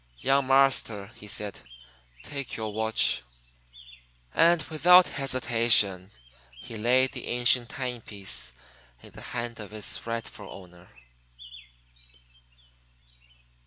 "Young marster," he said, "take yo' watch." And without hesitation he laid the ancient timepiece in the hand of its rightful owner.